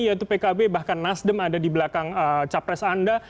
yaitu pkb bahkan nasdem ada di belakang capres anda